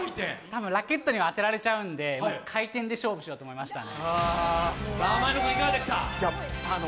多分ラケットには当てられちゃうんで回転で勝負しようと思いましたねさあ